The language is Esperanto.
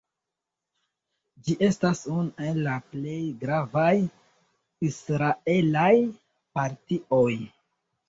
Ĝi estas unu el la plej gravaj israelaj partioj.